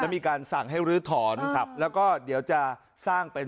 มีการสั่งให้ลื้อถอนครับแล้วก็เดี๋ยวจะสร้างเป็น